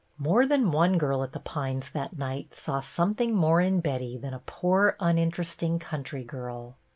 More than one girl at The Pines that night saw something more in Betty than a poor, uninteresting country girl.